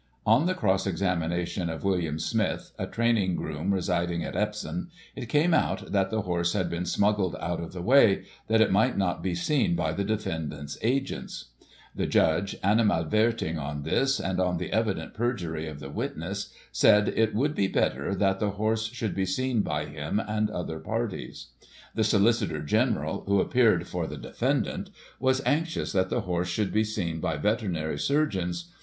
On the cross examination of William Smith, a training groom residing at Epvsom, it came out that the horse had been smuggled out of the way, that it might not be seen by the defendant's agents. The judge, animadverting on this, and on the evident perjury of the witness, said it would be better Digiti ized by Google 1844] "RUNNING REIN." 249 that the horse should be seen by him and other parties. The Solicitor General, who appeared for the defendant, was anxious that the horse should be seen by veterinary surgeons.